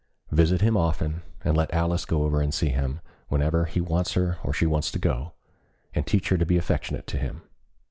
Visit him often, and let Alice go over to see him whenever he wants her or she wants to go, and teach her to be affectionate to him.